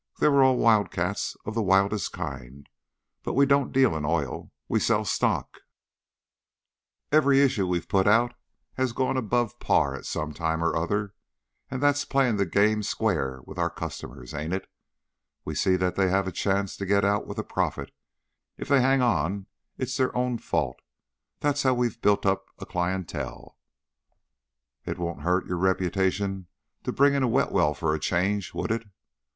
They were all wildcats of the wildest kind. But we don't deal in oil, we sell stock. Every issue we've put out has gone above par at some time or other, and that's playing the game square with our customers, ain't it? We see that they have a chance to get out with a profit; if they hang on it's their own fault. That's how we've built up a clienteel." "It wouldn't hurt your reputation to bring in a wet well for a change, would it?"